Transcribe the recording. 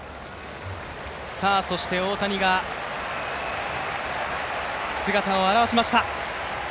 そして大谷が姿を現しました。